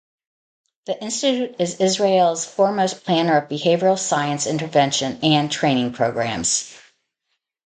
The institute is Israel's foremost planner of behavioral science intervention and training programs.